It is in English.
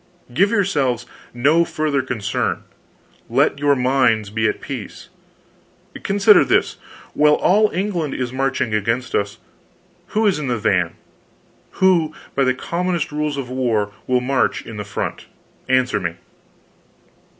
Give yourselves no further concern, let your minds be at peace. Consider this: while all England is marching against us, who is in the van? Who, by the commonest rules of war, will march in the front? Answer me."